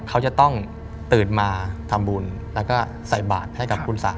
เขาจะต้องตื่นมาทำบุญแล้วก็ใส่บาทให้กับคุณสระ